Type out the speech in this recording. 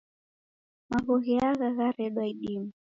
Magho gheagha gharedwa idime